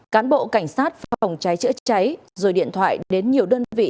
cán bộ cảnh sát phòng cháy chữa cháy rồi điện thoại đến nhiều đơn vị